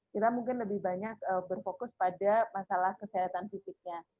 kita mungkin lebih banyak berfokus pada masalah kesehatan fisiknya